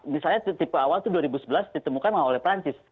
misalnya tipe awal itu dua ribu sebelas ditemukan oleh perancis